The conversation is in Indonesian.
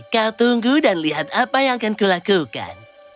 kau tunggu dan lihat apa yang akan kulakukan